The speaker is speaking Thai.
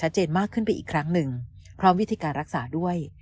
เจนมากขึ้นไปอีกครั้งหนึ่งพร้อมวิธีการรักษาด้วย